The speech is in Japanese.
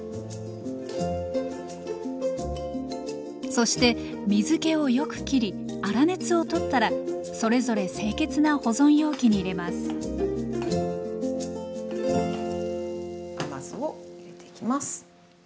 そして水けをよく切り粗熱を取ったらそれぞれ清潔な保存容器に入れます甘酢を入れていきます。